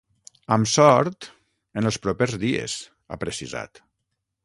“Amb sort, en els propers dies”, ha precisat.